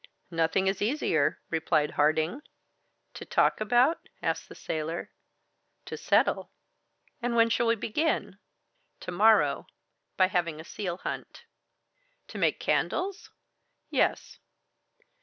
"Nothing is easier," replied Harding. "To talk about?" asked the sailor. "To settle." "And when shall we begin?" "To morrow, by having a seal hunt." "To make candles?" "Yes."